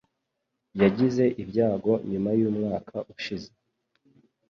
Yagize ibyago nyuma yumwaka ushize